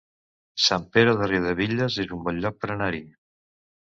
Sant Pere de Riudebitlles es un bon lloc per anar-hi